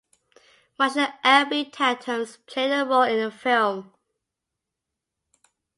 Marshal L. B. Tatums played a role in the film.